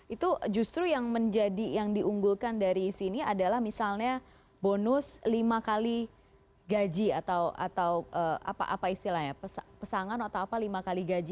itu justru yang menjadi yang diunggulkan dari sini adalah misalnya bonus lima kali gaji atau apa istilahnya pesanan atau apa lima kali gaji